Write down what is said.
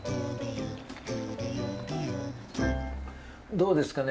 どうですかね